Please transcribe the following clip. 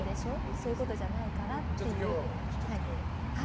そういうことじゃないからって。